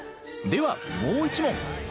ではもう一問。